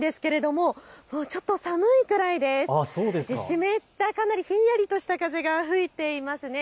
湿ったかなりひんやりとした風が吹いています。